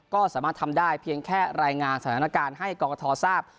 ก็สามารถทำได้เพียงแค่รายงานสถานการณ์ให้กรกฐทราบ